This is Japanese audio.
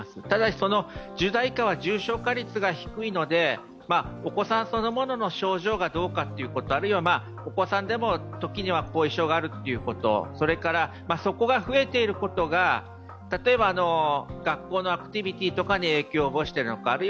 ただし、１０代以下は重症化率が低いのでお子さんそのものの症状がどうかということ、あるいはお子さんでも時には後遺症があるということ、それから、そこが増えてることが例えば、学校のアクティビティーが影響しているのか。